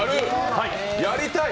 やりたい？